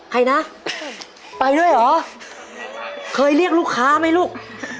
ใครนะไปด้วยเหรอเคยเรียกลูกค้าไหมลูก